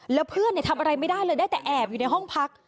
แล้วเพื่อนทำอะไรไม่ได้เลยได้แต่แอบอยู่ในห้องพัก